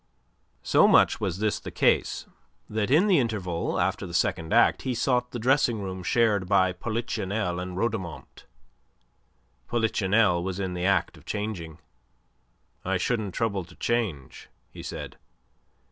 So much was this the case that in the interval after the second act, he sought the dressing room shared by Polichinelle and Rhodomont. Polichinelle was in the act of changing. "I shouldn't trouble to change," he said.